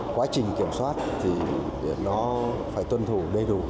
quá trình kiểm soát thì nó phải tuân thủ đầy đủ